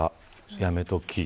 やめとき。